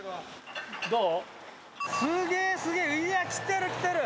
どう？